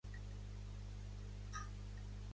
Pertany al moviment independentista la Fina?